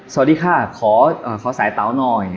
สวัสดีค่ะขอสายเต๋าหน่อย